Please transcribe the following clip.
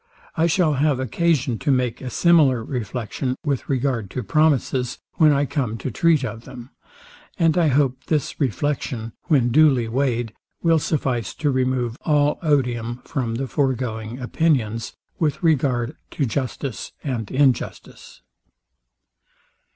I shall have occasion to make a similar reflection with regard to promises, when I come to treat of them; and I hope this reflection, when duly weighed, will suffice to remove all odium from the foregoing opinions, with regard to justice and injustice.